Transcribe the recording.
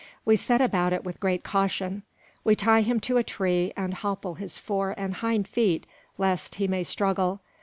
We set about it with great caution. We tie him to a tree, and hopple his fore and hind feet, lest he may struggle.